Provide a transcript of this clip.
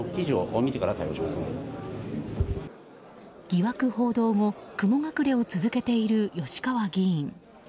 疑惑報道後雲隠れを続けている吉川議員。